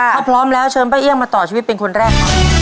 ถ้าพร้อมแล้วเชิญป้าเอี่ยงมาต่อชีวิตเป็นคนแรกครับ